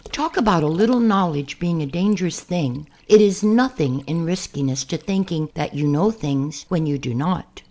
Talk about a little knowledge being a dangerous thing, it is nothing in riskiness to thinking that you know things when you do not.